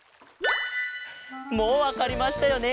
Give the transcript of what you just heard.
もうわかりましたよね？